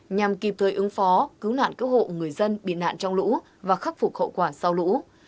nhằm kịp thời ứng phó cứu nạn cứu hộ người dân bị nạn trong lũ và khắc phục hậu quả sau lũ